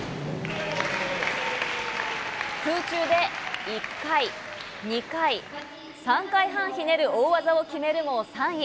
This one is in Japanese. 空中で１回、２回、３回半ひねる大技を決めるも３位。